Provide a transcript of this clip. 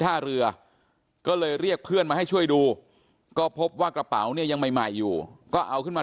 ท่าเรือก็เลยเรียกเพื่อนมาให้ช่วยดูก็พบว่ากระเป๋าเนี่ยยังใหม่ใหม่อยู่ก็เอาขึ้นมา